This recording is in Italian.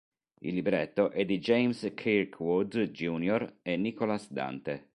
Il libretto è di James Kirkwood Jr. e Nicholas Dante.